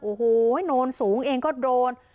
โอ้โหโนนสูงเองก็โดน